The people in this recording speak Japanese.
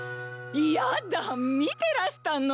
嫌だ見てらしたの？